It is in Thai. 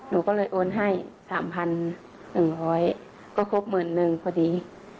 หนูก็เลยโอนให้๓๑๐๐ก็ครบหมื่นนึงพอดี